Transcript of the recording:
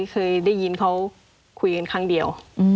เคยได้ยินเขาคุยกันครั้งเดียว